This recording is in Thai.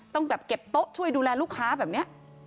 ต้องแบบเก็บโต๊ะช่วยดูแลลูกค้าแบบนี้